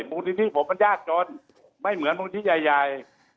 มุมติที่ผมมันยากจนไม่เหมือนมุมติที่ใหญ่